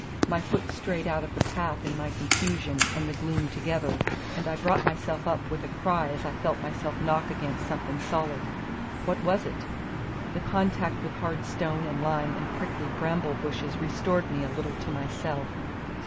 My foot strayed out of the path in my confusion and the gloom together, and I brought myself up with a cry as I felt myself knock against something solid. What was it? The contact with hard stone and lime and prickly bramble bushes restored me a little to myself.